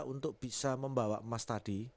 untuk bisa membawa emas tadi